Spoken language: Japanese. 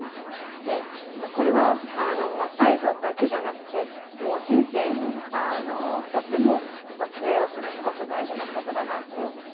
これは魔改造だけじゃなくてもう人生にとっても通用するすごく大事なことだなって思いました。